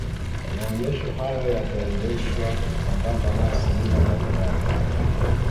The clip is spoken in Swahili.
maonyesho hayo yataendeshwa sambamba na semina mbalimbali